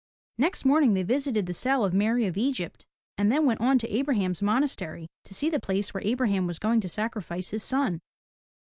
Next morning they visited the cell of Mary of Egypt, and then went on to Abraham's Monastery, to see the place where Abraham was going to sacrifice his son.